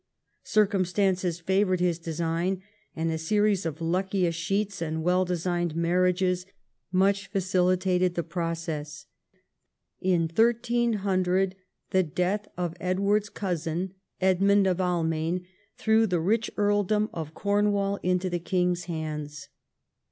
Circumstances favoured his design, and a series of lucky escheats and well designed marriages much facilitated the process. In 1300 the death of Edward's cousin, Edmund of Almaine, threw the rich earldom of Cornwall into the king's hands.